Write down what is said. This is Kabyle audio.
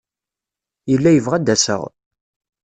Yella yebɣa ad d-aseɣ.